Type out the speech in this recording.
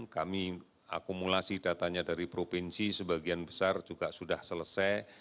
kami akumulasi datanya dari provinsi sebagian besar juga sudah selesai